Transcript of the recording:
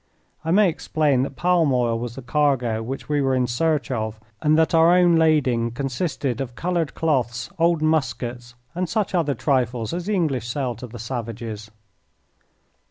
I may explain that palm oil was the cargo which we were in search of, and that our own lading consisted of coloured cloths, old muskets, and such other trifles as the English sell to the savages.